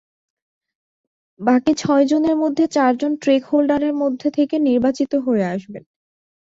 বাকি ছয়জনের মধ্যে চারজন ট্রেক হোল্ডারের মধ্য থেকে নির্বাচিত হয়ে আসবেন।